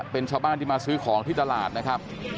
เป็นชาวบ้านที่มาซื้อของที่ตลาดนะครับ